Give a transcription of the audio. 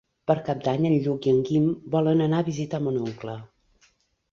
Per Cap d'Any en Lluc i en Guim volen anar a visitar mon oncle.